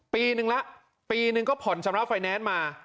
ปีนึงแล้วปีนึงก็ผ่อนชำระไฟแนนซ์มา